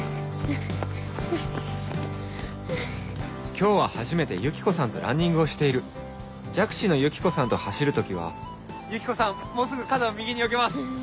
今日は初めてユキコさんとランニングをしている弱視のユキコさんと走る時はユキコさんもうすぐ花壇を右によけます。